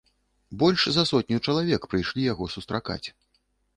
Больш за сотню чалавек прыйшлі яго сустракаць.